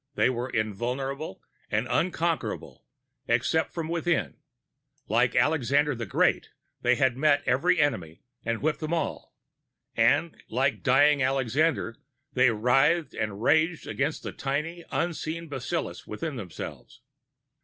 They were invulnerable and unconquerable, except from within. Like Alexander the Great, they had met every enemy and whipped them all. And, like dying Alexander, they writhed and raged against the tiny, unseen bacillus within themselves.